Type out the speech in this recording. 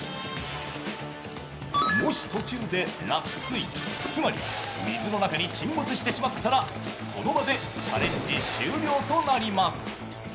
もし途中で落水、つまり水の中に沈没してしまったらその場でチャレンジ終了となります。